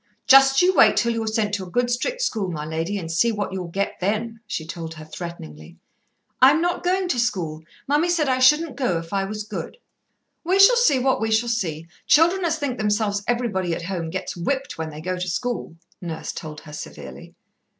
"Just you wait till you're sent to a good strict school, my lady, and see what you'll get then," she told her threateningly. "I'm not going to school. Mummy said I shouldn't go if I was good." "We shall see what we shall see. Children as think themselves everybody at home, gets whipped when they go to school," Nurse told her severely.